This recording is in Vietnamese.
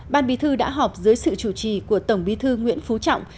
ban bí thư đã họp dưới sự chủ trì của tổng bí thư nguyễn phú trọng